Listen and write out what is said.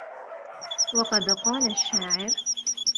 وَقَدْ قَالَ الشَّاعِرُ